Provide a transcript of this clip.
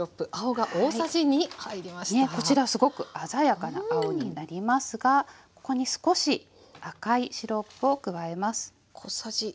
こちらすごく鮮やかな青になりますがここに少し赤いシロップを加えます。